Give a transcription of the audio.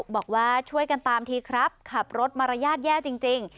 บอกว่าช่วยกันตามทีครับขับรถมารยาทแย่จริง